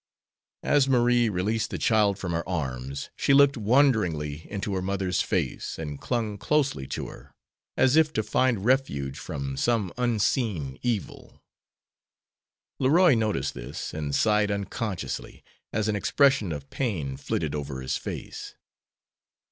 As Marie released the child from her arms she looked wonderingly into her mother's face and clung closely to her, as if to find refuge from some unseen evil. Leroy noticed this, and sighed unconsciously, as an expression of pain flitted over his face.